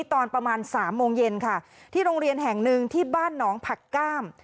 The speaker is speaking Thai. ตอนประมาณสามโมงเย็นค่ะที่โรงเรียนแห่งหนึ่งที่บ้านหนองผักก้าม